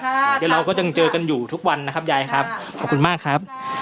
เดี๋ยวเราก็ยังเจอกันอยู่ทุกวันนะครับยายครับขอบคุณมากครับ